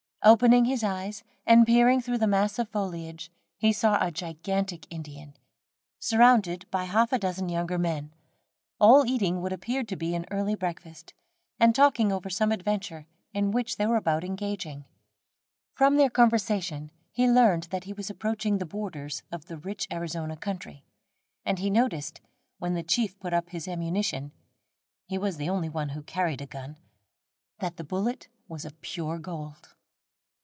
Opening his eyes and peering through the mass of foliage, he saw a gigantic Indian, surrounded by half a dozen younger men, all eating what appeared to be an early breakfast, and talking over some adventure in which they were about engaging. From their conversation he learned that he was approaching the borders of the rich Arizona country; and he noticed, when the chief put up his ammunition (he was the only one who carried a gun), that the bullet was of pure gold.